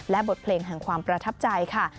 และบทเพลงแห่งความประทับใจค่ะ